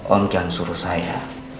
om jangan suruh saya